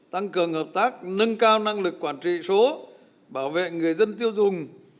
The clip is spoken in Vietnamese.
tăng cường hợp tác nâng cao năng lực quản trị số bảo vệ người dân tiêu dùng